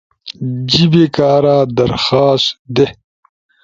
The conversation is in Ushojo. جیِبے کارا درخواست، پی